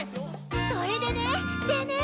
それでねでねー。